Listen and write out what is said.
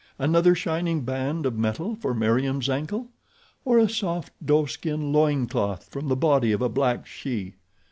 Another shining band of metal for Meriem's ankle? Or a soft, doeskin loin cloth from the body of a black she?